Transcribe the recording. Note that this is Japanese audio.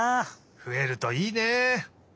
ふえるといいね。